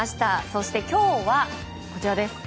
そして今日は、こちらです。